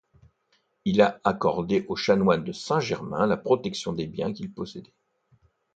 Il a accordé aux chanoines de Saint-Germain la protection des biens qu'il possédait.